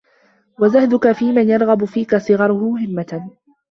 وَزُهْدُك فِيمَنْ يَرْغَبُ فِيك صِغَرُ هِمَّةٍ